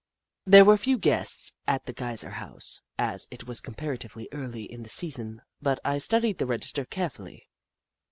There were few guests at the Geyser House, as it was comparatively early in the season, but I studied the register carefully.